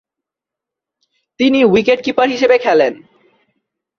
তিনি wicketkeeper হিসাবে খেলেন।